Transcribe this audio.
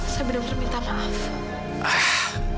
saya benar benar minta maaf